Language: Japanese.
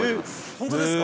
本当ですか？